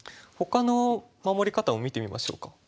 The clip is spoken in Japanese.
ほかの守り方も見てみましょうか。